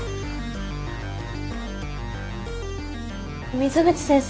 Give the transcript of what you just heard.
水口先生